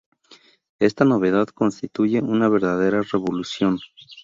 Esta novedad constituye una verdadera revolución.